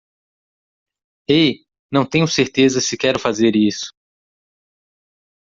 Ei? Não tenho certeza se quero fazer isso.